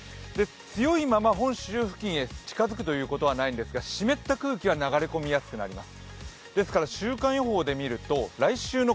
強いまま本州付近へ近づくということはないんですが、湿った空気は流れ込みやすくなります。